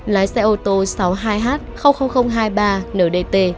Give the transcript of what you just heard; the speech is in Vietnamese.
lái xe ô tô sáu mươi hai h hai mươi ba ndt